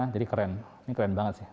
jadi keren ini keren banget sih